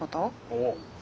おう。